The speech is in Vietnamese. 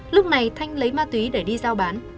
lúc này thanh lấy ma túy để đi giao bán